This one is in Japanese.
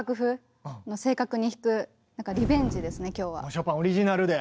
ショパンオリジナルで。